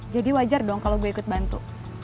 jadi wajar dong kalau gue ikut bantu